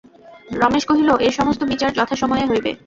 রমেশ কহিল, এ-সমস্ত বিচার যথাসময়ে হইবে।